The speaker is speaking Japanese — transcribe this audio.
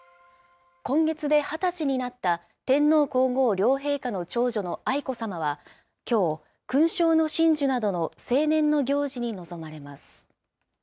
今月で２０歳になった、天皇皇后両陛下の長女の愛子さまは、きょう、勲章の親授などの成年の行事に臨まれます。